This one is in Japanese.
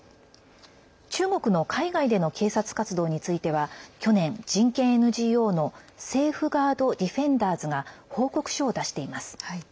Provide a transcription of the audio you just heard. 中国の海外での警察活動については去年人権ＮＧＯのセーフガード・ディフェンダーズが報告書を出しています。